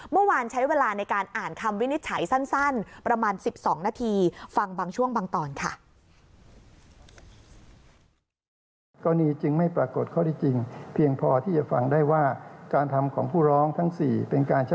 เมื่อวานใช้เวลาในการอ่านคำวินิจฉัยสั้นประมาณ๑๒นาทีฟังบางช่วงบางตอนค่ะ